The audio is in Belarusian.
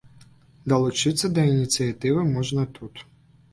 Далучыцца да ініцыятывы можна тут.